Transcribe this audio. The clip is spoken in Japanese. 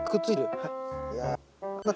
はい。